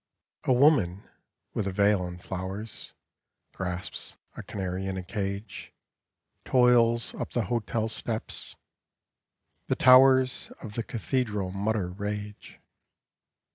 A woman, with a veil and flowers, Grasps a canary in a cage, Toils up the hotel steps. The towers Of the Cathedral mutter rage.